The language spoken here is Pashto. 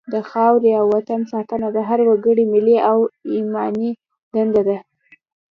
د خاورې او وطن ساتنه د هر وګړي ملي او ایماني دنده ده.